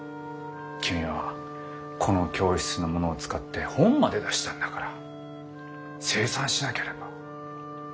君はこの教室のものを使って本まで出したんだから清算しなければ。